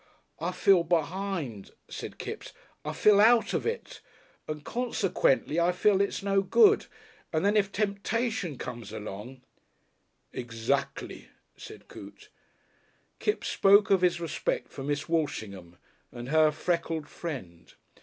"I feel be'ind," said Kipps. "I feel out of it. And consequently I feel it's no good. And then if temptation comes along " "Exactly," said Coote. Kipps spoke of his respect for Miss Walshingham and her freckled friend.